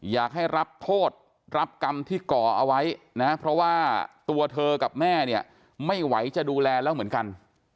อยากให้รับโทษรับกรรมที่ก่อเอาไว้นะเพราะว่าตัวเธอกับแม่เนี่ยไม่ไหวจะดูแลแล้วเหมือนกัน